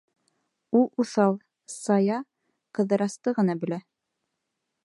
Ул уҫал, сая Ҡыҙырасты ғына белә.